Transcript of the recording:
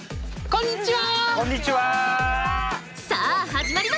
こんにちは！